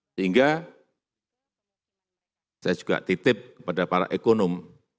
sehingga saya juga titip kepada para ekonom